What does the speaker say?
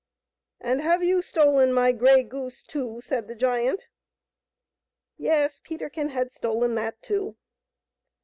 " And have you stolen my gfrey goose too ?" said the giant Yes ; Peterkin had stolen that too.